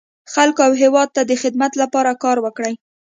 خلکو او هېواد ته د خدمت لپاره کار وکړي.